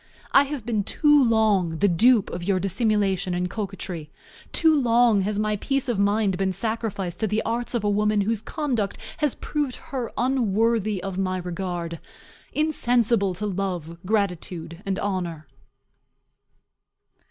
I have been too long the dupe of your dissimulation and coquetry too long has my peace of mind been sacrificed to the arts of a woman whose conduct has proved her unworthy of my regard; insensible to love, gratitude, and honor.